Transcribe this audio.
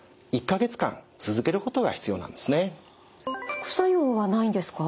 副作用はないんですか？